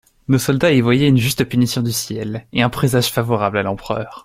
Nos soldats y voyaient une juste punition du ciel, et un présage favorable à l'empereur.